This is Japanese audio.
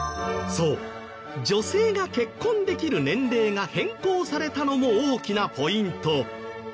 そう女性が結婚できる年齢が変更されたのも大きなポイント。